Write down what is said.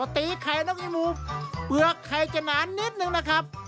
ก็ตีไข่น้องอิมูเปลือกไข่จะหนานนิดนึงนะครับ